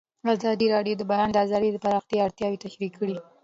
ازادي راډیو د د بیان آزادي د پراختیا اړتیاوې تشریح کړي.